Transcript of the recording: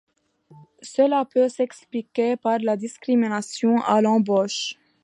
Cela peut s'expliquer par la discrimination à l'embauche.